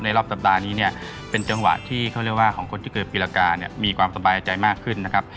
รอบสัปดาห์นี้เนี่ยเป็นจังหวะที่เขาเรียกว่าของคนที่เกิดปีละกาเนี่ยมีความสบายใจมากขึ้นนะครับ